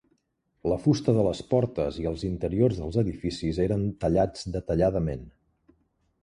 La fusta de les portes i els interiors dels edificis eren tallats detalladament.